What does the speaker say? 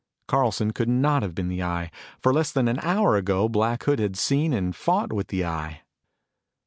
Carlson could not have been the Eye, for less than an hour ago, Black Hood had seen and fought with the Eye!